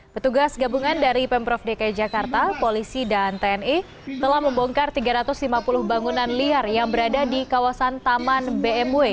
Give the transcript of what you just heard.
petugas gabungan dari pemprov dki jakarta polisi dan tni telah membongkar tiga ratus lima puluh bangunan liar yang berada di kawasan taman bmw